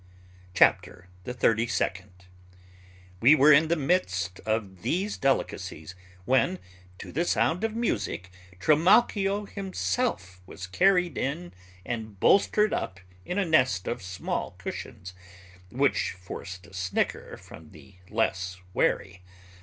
CHAPTER THE THIRTY SECOND. We were in the midst of these delicacies when, to the sound of music, Trimalchio himself was carried in and bolstered up in a nest of small cushions, which forced a snicker from the less wary.